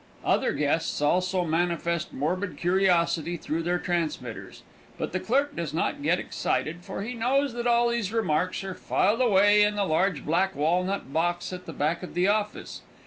Other guests also manifest morbid curiosity through their transmitters, but the clerk does not get excited, for he knows that all these remarks are filed away in the large black walnut box at the back of the office.